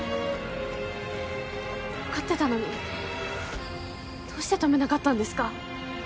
わかってたのにどうして止めなかったんですか？